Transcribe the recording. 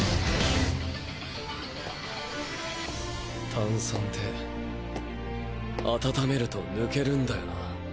炭酸って温めると抜けるンだよな。